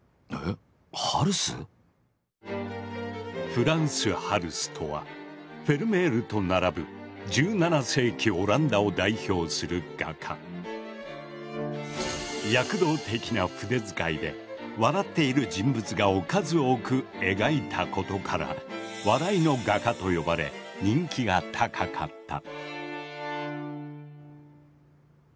フランス・ハルスとはフェルメールと並ぶ１７世紀オランダを代表する画家。で笑っている人物画を数多く描いたことから「笑いの画家」と呼ばれ人気が高かった。